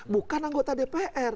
bukan anggota dpr